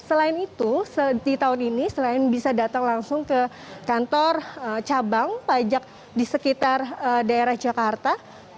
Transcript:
selain itu di tahun ini selain bisa datang langsung ke kantor cabang pajak di sekitar daerah jakarta